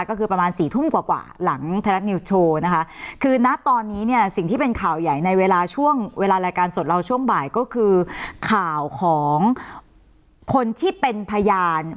ก็คือประมาณสี่ทุ่มกว่ากว่าหลังไทยรัฐนิวส์โชว์นะคะคือณตอนนี้เนี่ยสิ่งที่เป็นข่าวใหญ่ในเวลาช่วงเวลารายการสดเราช่วงบ่ายก็คือข่าวของคนที่เป็นพยาน